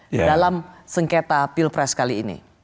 di dalam sengketa pilpres kali ini